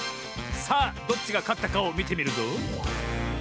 さあどっちがかったかをみてみるぞ。